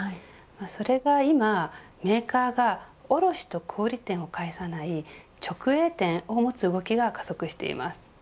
それが今、メーカーが卸と小売り店を介さない直営店を持つ動きが加速しています。